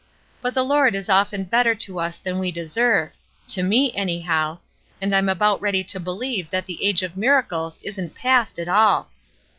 But the Lord is often better to us than we deserve, — to me, anyhow, — and I'm about ready to believe that the age of mira cles isn't past at all.